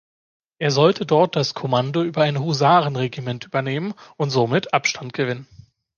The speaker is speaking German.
Er sollte dort das Kommando über ein Husarenregiment übernehmen und somit Abstand gewinnen.